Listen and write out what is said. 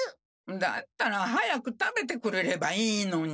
だったら早く食べてくれればいいのに。